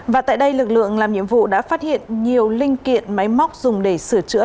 và tại đây lực lượng làm nhiệm vụ đã phát hiện nhiều linh kiện máy móc dùng để sửa chữa